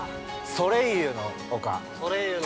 ◆ソレイユの丘。